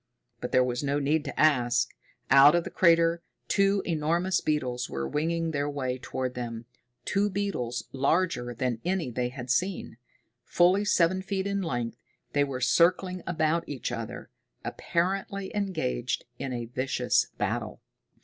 But there was no need to ask. Out of the crater two enormous beetles were winging their way toward them, two beetles larger than any that they had seen. Fully seven feet in length, they were circling about each other, apparently engaged in a vicious battle.